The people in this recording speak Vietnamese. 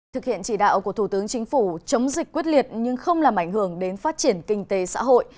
thực hiện chỉ đạo của thủ tướng chính phủ chống dịch quyết liệt nhưng không làm ảnh hưởng đến phát triển kinh tế xã hội